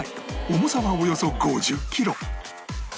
重さはおよそ５０キロ